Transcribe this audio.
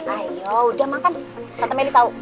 ayo udah makan tante meli tau